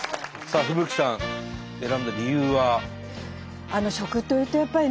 さあ風吹さん選んだ理由は？